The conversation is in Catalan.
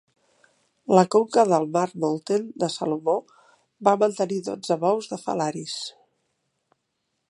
La conca del mar Molten de Salomó va mantenir dotze bous de Falaris.